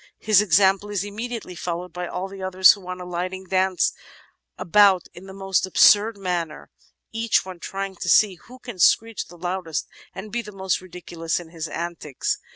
His example is immediately followed by all the others, who, on alighting, dance about in the most absurd manner, each one trying to see who can screech the loudest and be the most ridiculous in his antics.